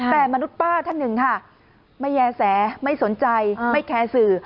แต่มนุษย์ป้าท่านหนึ่งค่ะไม่แย่แสไม่สนใจไม่แคร์สื่อ